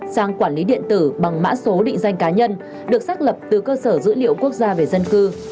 giấy điện tử bằng mã số định danh cá nhân được xác lập từ cơ sở dữ liệu quốc gia về dân cư